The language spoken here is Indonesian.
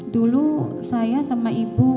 dulu saya sama ibu